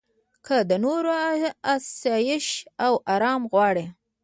که د نورو اسایش او ارام غواړې.